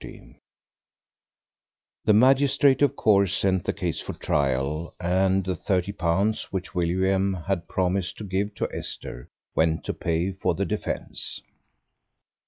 XL The magistrate of course sent the case for trial, and the thirty pounds which William had promised to give to Esther went to pay for the defence.